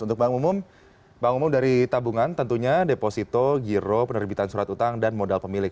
untuk bank umum bank umum dari tabungan tentunya deposito giro penerbitan surat utang dan modal pemilik